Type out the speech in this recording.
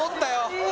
うわ